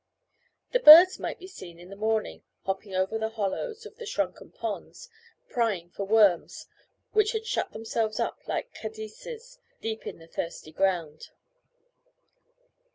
The birds might be seen in the morning, hopping over the hollows of the shrunken ponds, prying for worms, which had shut themselves up like caddises deep in the thirsty ground.